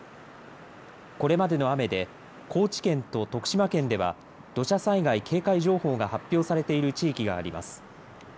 これまでの雨で高知県と徳島県では、土砂災害警戒情報が発表されている地域があります。